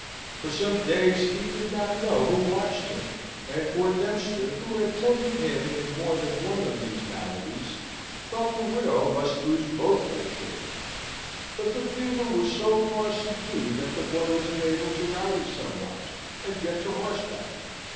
For some days he did not know who watched him; and poor Dempster, who had tended him in more than one of these maladies, thought the widow must lose both her children; but the fever was so far subdued that the boy was enabled to rally somewhat, and get to horseback.